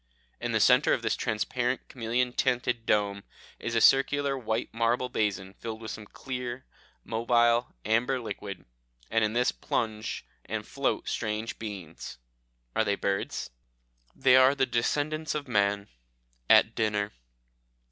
In the centre of this transparent chameleon tinted dome is a circular white marble basin filled with some clear, mobile, amber liquid, and in this plunge and float strange beings. Are they birds? "They are the descendants of man at dinner.